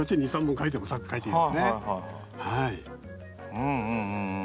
うんうんうんうん。